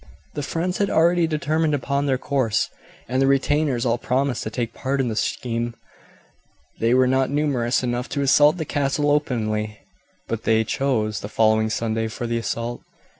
The friends had already determined upon their course, and the retainers all promised to take part in the scheme. They were not numerous enough to assault the castle openly, but they chose the following Sunday for the assault.